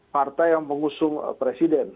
partai yang mengusung presiden